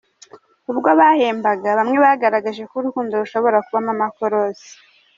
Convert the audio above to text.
Ubwo bahembaga, bamwe bagagaragaje ko urukundo rushobora kubamo amakorosi